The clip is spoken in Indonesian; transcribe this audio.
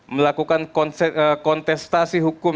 melakukan kontestasi hukum